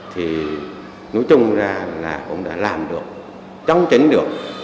thì nói chung ra là cũng đã làm được chống chứng được